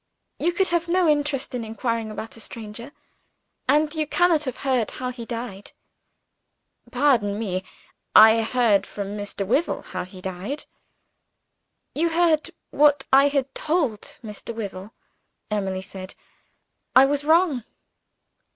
You could have no interest in inquiring about a stranger and you cannot have heard how he died." "Pardon me, I heard from Mr. Wyvil how he died." "You heard what I had told Mr. Wyvil," Emily said: "I was wrong."